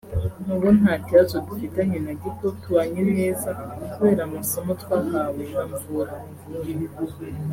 ubu nta kibazo dufitanye na gito tubanye neza kubera amasomo twahawe na Mvura nkuvure